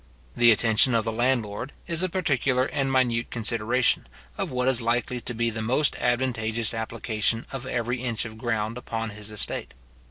The attention of the landlord is a particular and minute consideration of what is likely to be the most advantageous application of every inch of ground upon his estate.